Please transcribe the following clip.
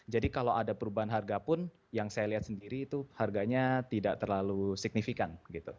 jadi kalau ada perubahan harga pun yang saya lihat sendiri itu harganya tidak terlalu signifikan